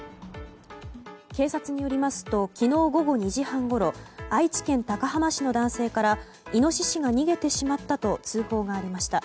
警察によりますと昨日午後２時半ごろ愛知県高浜市の男性からイノシシが逃げてしまったと通報がありました。